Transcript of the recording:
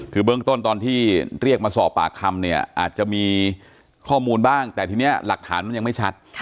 คือเบื้องต้นตอนที่เรียกมาสอบปากคำเนี่ยอาจจะมีข้อมูลบ้างแต่ทีนี้หลักฐานมันยังไม่ชัด